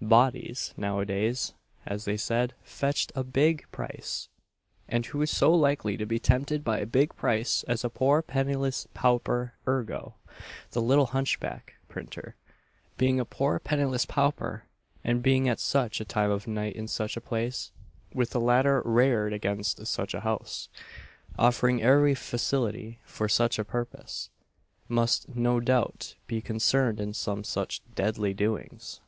Bodies, now a days, as they said, fetched a big price, and who so likely to be tempted by a big price as a poor pennyless pauper; ergo, the little hunchback printer, being a poor pennyless pauper, and being at such a time of night in such a place, with a ladder reared against such a house, offering every facility for such a purpose, must, no doubt, be concerned in some such deadly doings.